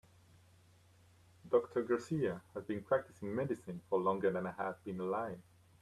Doctor Garcia has been practicing medicine for longer than I have been alive.